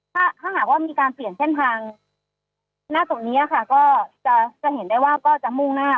ถ้าหากว่ามีการเปลี่ยนเส้นทางหน้าตรงนี้ค่ะก็จะเห็นได้ว่าก็จะมุ่งหน้า